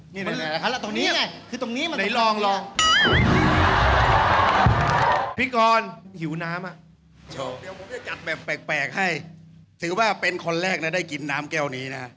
นี่ไงค่ะตรงนี้ไงคือตรงนี้มันตรงนี้อ่ะ